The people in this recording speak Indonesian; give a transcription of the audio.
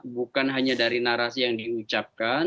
bukan hanya dari narasi yang diucapkan